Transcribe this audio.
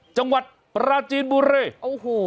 จังหวัดปราจีนบุรีโอ้โห